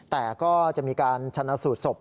แต่ก็จะมีการชนะสูตรศพ